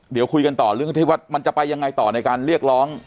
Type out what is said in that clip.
เดี๋ยวคุยกันต่อเรื่องที่ว่ามันจะไปยังไงต่อในการเรียกร้อง